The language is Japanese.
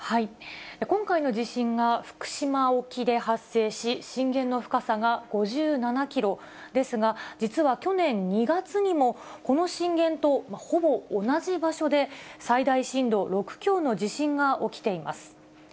今回の地震が福島沖で発生し、震源の深さが５７キロですが、実は去年２月にも、この震源とほぼ同じ場所で、最大震度６強の地震が起きています。